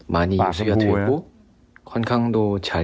มานี่ไม่มีครั้งหลาก